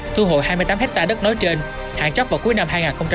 thu hồi hai mươi tám hectare đất nối trên hạn chóc vào cuối năm hai nghìn hai mươi một